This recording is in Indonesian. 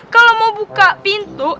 kalo mau buka pintu